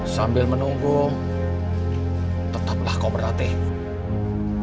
sambil menunggu tetaplah kau berhati hati